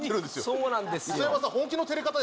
そうなんですよ。